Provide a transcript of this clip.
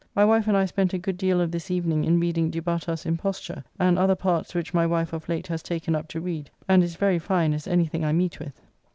My wife and I spent a good deal of this evening in reading "Du Bartas' Imposture" and other parts which my wife of late has taken up to read, and is very fine as anything I meet with.